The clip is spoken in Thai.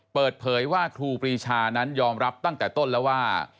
เปิดเผยว่าครูปรีชานั้นยอมรับตั้งแต่ต้นแล้วว่า